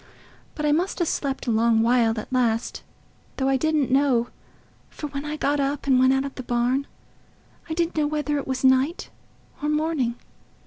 But I must have slept a long while at last, though I didn't know, for when I got up and went out of the barn, I didn't know whether it was night or morning.